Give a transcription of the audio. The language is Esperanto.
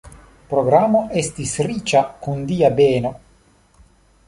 Programo estis riĉa kun Dia beno.